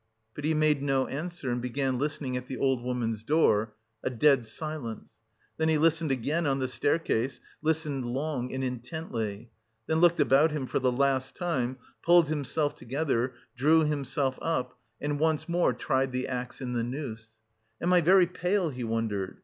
But he made no answer and began listening at the old woman's door, a dead silence. Then he listened again on the staircase, listened long and intently... then looked about him for the last time, pulled himself together, drew himself up, and once more tried the axe in the noose. "Am I very pale?" he wondered.